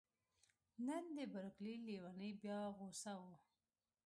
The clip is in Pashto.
نن د بر کلي لیونی بیا غوسه و